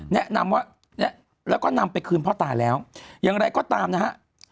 แนะนำว่าแนะแล้วก็นำไปคืนพ่อตาแล้วอย่างไรก็ตามนะฮะ